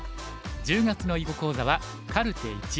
１０月の囲碁講座は「カルテ①」。